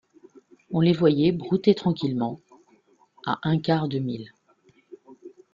On les voyait brouter tranquillement, à un quart de mille.